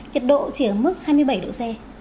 nhiệt độ chỉ ở mức hai mươi bảy độ c